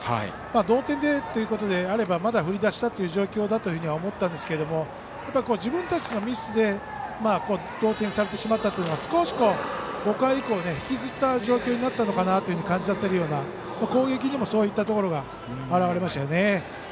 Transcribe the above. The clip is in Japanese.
同点でということであればまだ振り出しだという状況だと思ったんですけど自分たちのミスで同点されてしまったのは少し、５回以降引きずった状況になったのかなと感じさせるような、攻撃にもそういったところが表れましたよね。